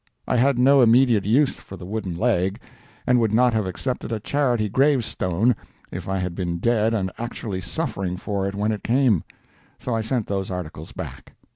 I had no immediate use for the wooden leg, and would not have accepted a charity grave stone if I had been dead and actually suffering for it when it came—so I sent those articles back.